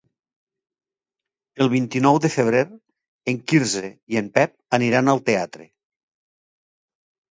El vint-i-nou de febrer en Quirze i en Pep aniran al teatre.